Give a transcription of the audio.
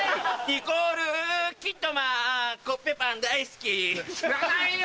ニコール・キッドマンコッペパン大好き知らないよ！